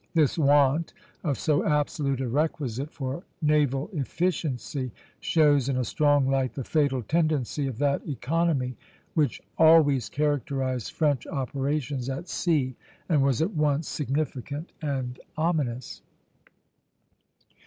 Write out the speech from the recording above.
This want of so absolute a requisite for naval efficiency shows in a strong light the fatal tendency of that economy which always characterized French operations at sea, and was at once significant and ominous.